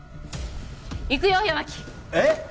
行くよ八巻えっ？